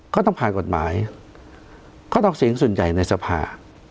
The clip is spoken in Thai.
ก็ต้องผ่านกฎหมายก็ต้องเสียงส่วนใหญ่ในสภา